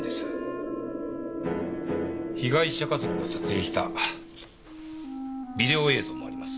被害者家族が撮影したビデオ映像もあります。